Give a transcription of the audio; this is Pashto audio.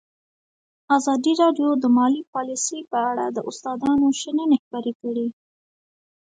ازادي راډیو د مالي پالیسي په اړه د استادانو شننې خپرې کړي.